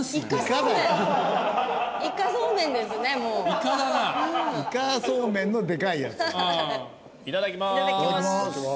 いただきます！